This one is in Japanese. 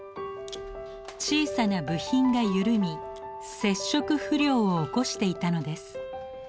小さな部品が緩み接触不良を起こしていたのです。